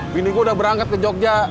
gini gue udah berangkat ke jogja